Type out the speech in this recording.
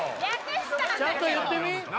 ちゃんと言ってみ？